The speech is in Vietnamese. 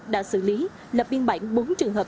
đã xử lý lập biên bản bốn trường hợp